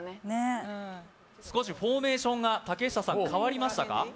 ねっ少しフォーメーションが竹下さん変わりましたか？